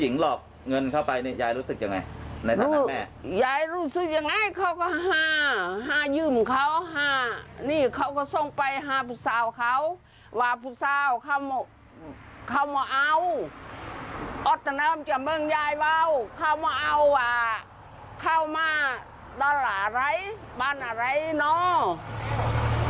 น้ำจะเมืองยายเบาเข้ามาเอาว่าเข้ามาบ้านอะไรเนาะ